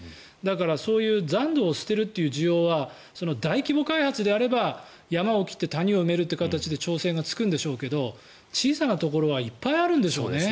そういう残土を捨てるという需要は大規模開発であれば山を切って谷を埋めるという形で調整がつくんでしょうけど小さなところはいっぱいあるんですよね。